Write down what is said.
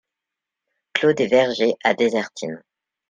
Clos des Vergers à Désertines